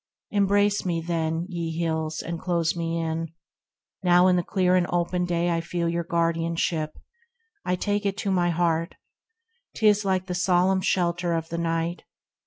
Embrace me then, ye Hills, and close me in ; Now in the clear and open day I feel Your guardianship ; I take it to my heart ; 'Tis like the solemn shelter of the night.